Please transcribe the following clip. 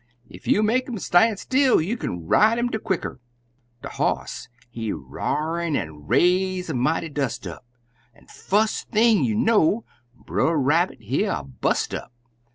Ef you make 'im stan' still, you kin ride 'im de quicker!" De hoss, he r'ar'd an' raise a mighty dust up, An' fust thing you know, Brer Rabbit hear a bust up!